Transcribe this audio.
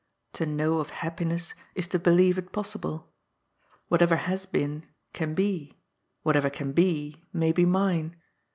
To know of happiness is to believe it possible. Whatever has been, can be; whatever can be, may be mine.